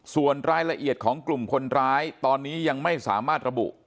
ส่วนรายละเอียดของกลุ่มคนร้ายตอนนี้ยังไม่สามารถระบุ